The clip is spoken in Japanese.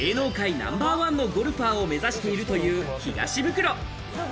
ナンバーワンのゴルファーを目指しているという東ブクロ。